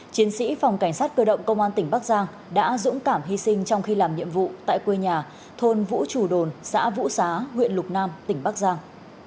chiến sĩ phòng cảnh sát cơ động công an tỉnh bắc giang đã dũng cảm hy sinh trong khi làm nhiệm vụ tại quê nhà thôn vũ trù đồn xã vũ xá huyện lục nam tỉnh bắc giang